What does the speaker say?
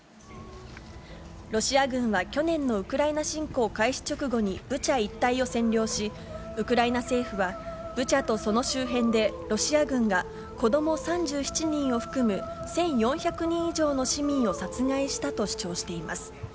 ロシア軍は去年のウクライナ侵攻開始直後にブチャ一帯を占領し、ウクライナ政府は、ブチャとその周辺で、ロシア軍が子ども３７人を含む１４００人以上の市民を殺害したと主張しています。